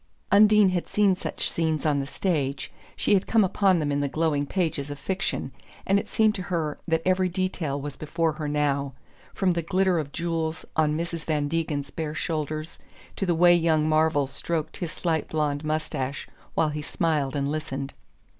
Undine had seen such scenes on the stage, she had come upon them in the glowing pages of fiction, and it seemed to her that every detail was before her now, from the glitter of jewels on Mrs. Van Degen's bare shoulders to the way young Marvell stroked his slight blond moustache while he smiled and listened.